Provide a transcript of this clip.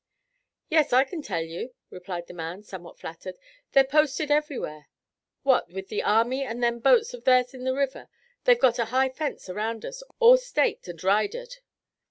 "Yes, I kin tell you," replied the man, somewhat flattered. "They're posted everywhere. What, with their army and them boats of theirs in the river, they've got a high fence around us, all staked and ridered."